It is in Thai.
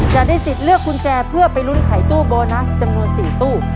จะได้สิทธิ์เลือกกุญแจเพื่อไปลุ้นไขตู้โบนัสจำนวน๔ตู้